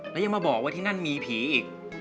แล้วยังมาบอกว่าที่นั่นมีผีอีก